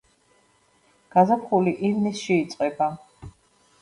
გაზაფხული ივნისში იწყება.